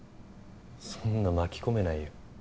そんな巻き込めないよ